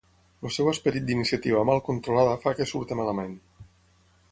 El seu esperit d'iniciativa mal controlada fa que surti malament.